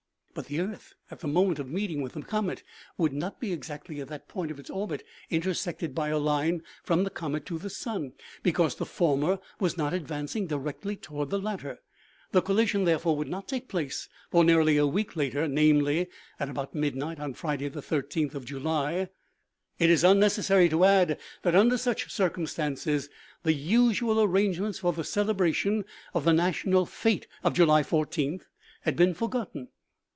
34 OMEGA. But the earth at the moment of meeting with the comet, would not be exactly at that point of its orbit intersected by a line from the comet to the sun, be cause the former was not advancing directly toward the latter ; the collision, therefore, would not take place for nearly a week later, namely : at about midnight on Fri day, the 1 3th of July. It is unnecessary to add that under such circinnstances the usual arrangements for the celebration of the national fete of July i4th had been forgotten.